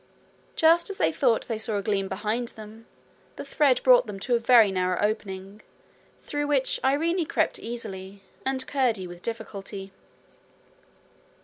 Just as they thought they saw a gleam behind them, the thread brought them to a very narrow opening, through which Irene crept easily, and Curdie with difficulty.